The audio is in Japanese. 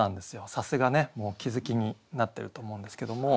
さすがもうお気付きになってると思うんですけども。